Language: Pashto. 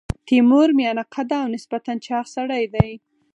تیمور میانه قده او نسبتا چاغ سړی دی.